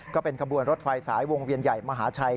ก็เป็นขบวนรถไฟสายวงเวียนใหญ่มหาชัย